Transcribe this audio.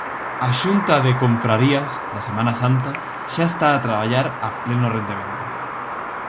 A Xunta de Confrarías da Semana Santa xa está a traballar a pleno rendemento.